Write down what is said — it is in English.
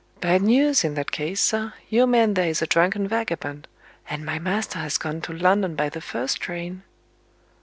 "Bad news, in that case, sir. Your man there is a drunken vagabond; and my master has gone to London by the first train."